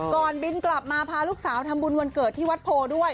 บินกลับมาพาลูกสาวทำบุญวันเกิดที่วัดโพด้วย